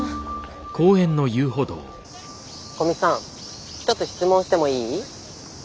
古見さん一つ質問してもいい？